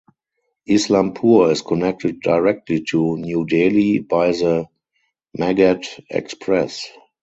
Islampur is connected directly to New Delhi by the Magadh Express.